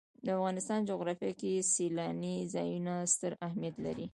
د افغانستان جغرافیه کې سیلانی ځایونه ستر اهمیت لري.